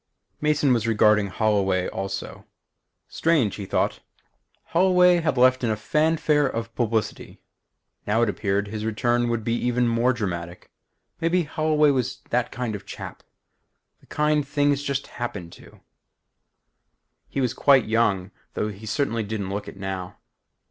Mason was regarding Holloway also. Strange, he thought; Holloway had left in a fanfare of publicity. Now it appeared his return would be even more dramatic. Maybe Holloway was that kind of a chap; the kind things just happened to. He was quite young though he certainly didn't look it now.